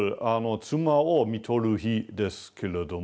「妻を看取る日」ですけれども。